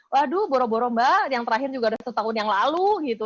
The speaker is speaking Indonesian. waduh boro boro mbak yang terakhir juga ada satu tahun yang lalu gitu